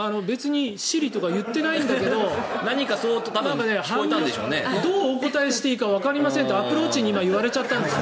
Ｓｉｒｉとか言ってないんだけどどうお答えしていいかわかりませんってアップルウォッチにいわれちゃったんです。